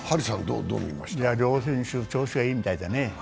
両選手、調子がいいみたいだね。